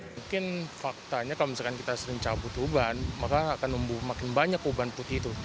mungkin faktanya kalau misalkan kita sering cabut uban maka akan tumbuh makin banyak uban putih itu